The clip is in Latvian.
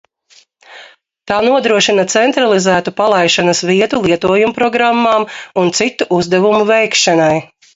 Tā nodrošina centralizētu palaišanas vietu lietojumprogrammām un citu uzdevumu veikšanai.